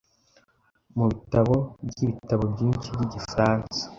Mubitabo byibitabo byinshi byigifaransa .